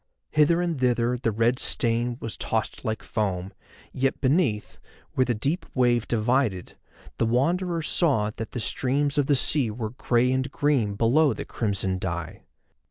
Hither and thither the red stain was tossed like foam, yet beneath, where the deep wave divided, the Wanderer saw that the streams of the sea were grey and green below the crimson dye.